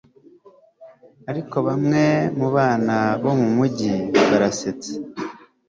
ariko bamwe mubana bo mumujyi barasetsa